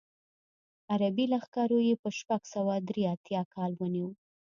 عربي لښکرو یې په شپږ سوه درې اتیا کال ونیو.